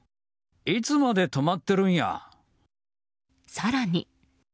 更に。